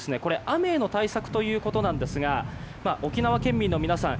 雨への対策ということなんですが沖縄県民の皆さん